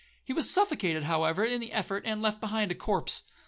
He was suffocated, however, in the effort, and left behind a corse.